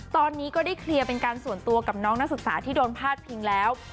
ตอนนี้ก็ได้เคลียร์เป็นการส่วนตัวกับน้องนักศึกษาที่โดนพาดพิงแล้ว